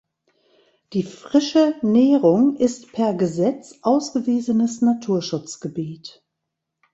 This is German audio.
Die Frische Nehrung ist per Gesetz ausgewiesenes Naturschutzgebiet.